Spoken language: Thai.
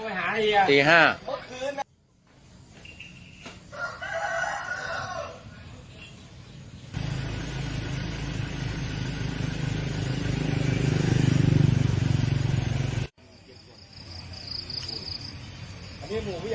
ว่าจะมีอาหารเกี่ยวกับสมมติ